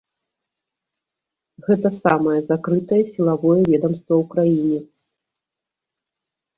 Гэта самае закрытае сілавое ведамства ў краіне.